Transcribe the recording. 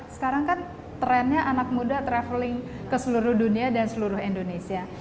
sekarang kan trennya anak muda traveling ke seluruh dunia dan seluruh indonesia